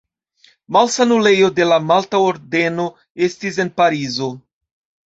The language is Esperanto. Malsanulejo de la Malta Ordeno estis en Parizo.